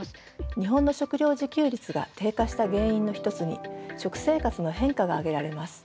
日本の食料自給率が低下した原因の一つに食生活の変化が挙げられます。